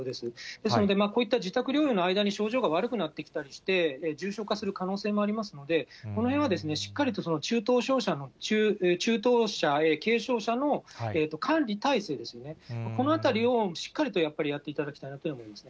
ですので、こういった自宅療養の間に、症状が悪くなってきたりして、重症化する可能性もありますので、このへんはしっかりと、中等症者の、中等者、軽症者の管理体制ですね、このあたりをしっかりとやっぱり、やっていただきたいなと思いますね。